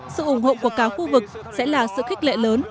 sự ủng hộ của cả khu vực sẽ là sự khích lệ lớn